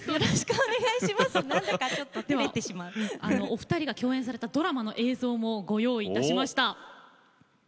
お二人が共演されたドラマの映像もご用意しました。